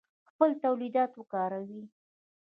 خپل تولیدات وکاروئ